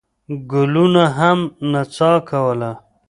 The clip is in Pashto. ګلونو هم نڅا کوله.